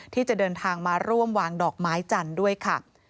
ที่จะเดินทางมาร่วมวางดอกไม้จันทร์ด้วยค่ะ